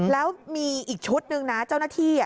แล้วมีอีกชุดหนึ่งนะเจ้าหน้าที่